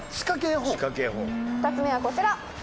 ２つ目はこちら。